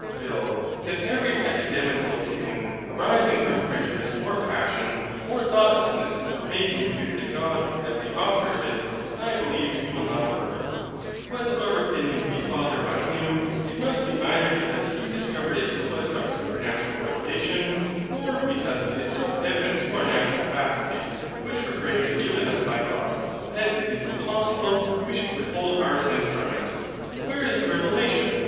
PHIL. That every epidemical opinion, arising from prejudice, or passion, or thoughtlessness, may be imputed to God, as the Author of it, I believe you will not affirm. Whatsoever opinion we father on Him, it must be either because He has discovered it to us by supernatural revelation; or because it is so evident to our natural faculties, which were framed and given us by God, that it is impossible we should withhold our assent from it. But where is the revelation?